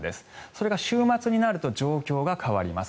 それが週末になると状況が変わります。